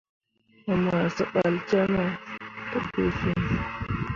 Mu ma sebal cemme te bu fin.